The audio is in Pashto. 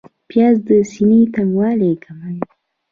پیاز د سینې تنګوالی کموي